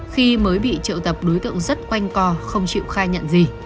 khi mới bị triệu tập đối tượng rất quanh co không chịu khai nhận gì